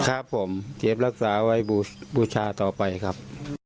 ครับผมเก็บรักษาไว้บูชาต่อไปครับ